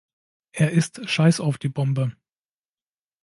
Er ist ‚Scheiß auf die Bombe‘.